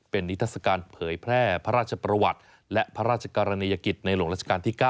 เป็นนิทัศกาลเผยแพร่พระราชประวัติและพระราชกรณียกิจในหลวงราชการที่๙